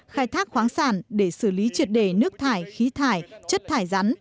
khai thác khoáng sản để xử lý triệt đề nước thải khí thải chất thải rắn